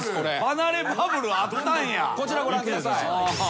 こちらご覧ください。